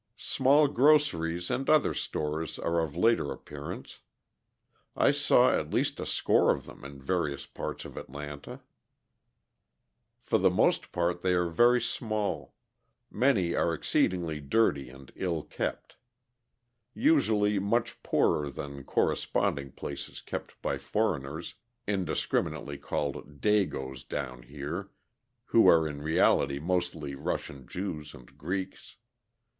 Small groceries and other stores are of later appearance; I saw at least a score of them in various parts of Atlanta. For the most part they are very small, many are exceedingly dirty and ill kept; usually much poorer than corresponding places kept by foreigners, indiscriminately called "Dagoes" down here, who are in reality mostly Russian Jews and Greeks.